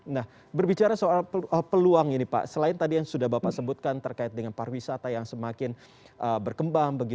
nah berbicara soal peluang ini pak selain tadi yang sudah bapak sebutkan terkait dengan pariwisata yang semakin berkembang